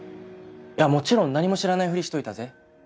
いやもちろん何も知らないふりしといたぜ。